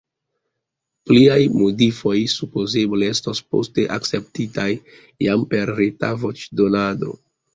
Pliaj modifoj supozeble estos poste akceptitaj jam per reta voĉdonado.